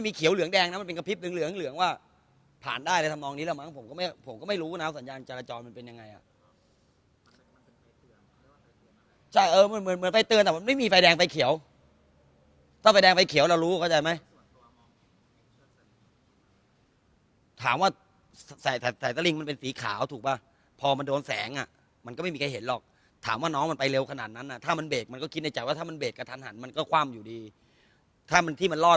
ไฟแค่ว่าไฟแค่ว่าไฟแค่ว่าไฟแค่ว่าไฟแค่ว่าไฟแค่ว่าไฟแค่ว่าไฟแค่ว่าไฟแค่ว่าไฟแค่ว่าไฟแค่ว่าไฟแค่ว่าไฟแค่ว่าไฟแค่ว่าไฟแค่ว่าไฟแค่ว่าไฟแค่ว่าไฟแค่ว่าไฟแค่ว่าไฟแค่ว่าไฟแค่ว่าไฟแค่ว่าไฟแค่ว่าไฟแค่ว่าไฟแค่ว